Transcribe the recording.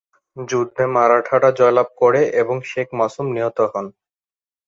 যুদ্ধে মারাঠারা জয়লাভ করে এবং শেখ মাসুম নিহত হন।